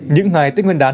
những ngày tích nguyên đán